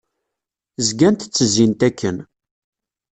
Zgant ttezzint akken.